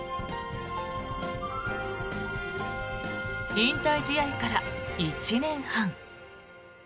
引退試合から１年半。